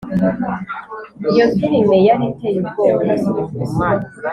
iyo firime yari iteye ubwoba